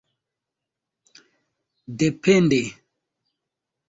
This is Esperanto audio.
depende